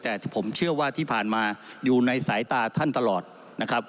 แต่ผมเชื่อว่าที่ผ่านมาอยู่ในสายตาท่านตลอดนะครับ